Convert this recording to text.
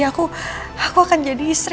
aku akan jadi istri